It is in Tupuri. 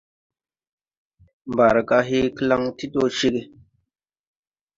Mbargà hee klaŋ ti dɔ ceg.